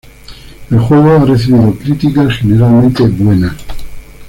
El juego ha recibido críticas generalmente buenas.